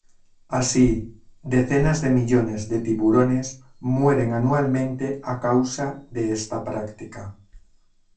Así, decenas de millones de tiburones mueren anualmente a causa de esta práctica.